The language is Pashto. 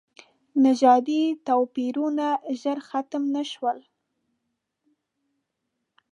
نژادي توپیرونه ژر ختم نه شول.